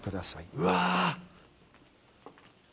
うわ。